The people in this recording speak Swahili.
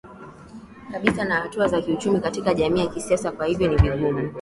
kabisa na hatua za kiuchumi katika jamii ya kisasa Kwa hiyo ni vigumu